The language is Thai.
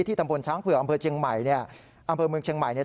ตำบลช้างเผือกอำเภอเชียงใหม่เนี่ยอำเภอเมืองเชียงใหม่เนี่ย